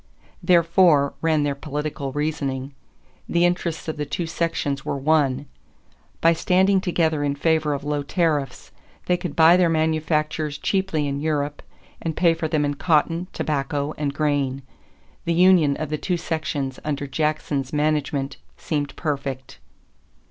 Therefore, ran their political reasoning, the interests of the two sections were one. By standing together in favor of low tariffs, they could buy their manufactures cheaply in Europe and pay for them in cotton, tobacco, and grain. The union of the two sections under Jackson's management seemed perfect.